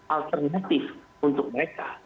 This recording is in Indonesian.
alternatif untuk mereka